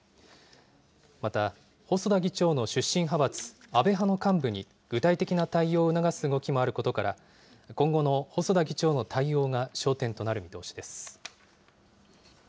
また、細田議長の出身派閥、安倍派の幹部に具体的な対応を促す動きもあることから、今後の細田議長の対応が焦点となる見通しです。